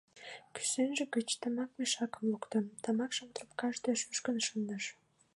Кӱсенже гыч тамак мешакым лукто, тамакшым трубкашке шӱшкын шындыш.